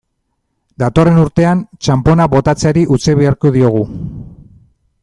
Datorren urtean, txanpona botatzeari utzi beharko diogu.